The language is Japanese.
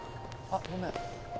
あごめん。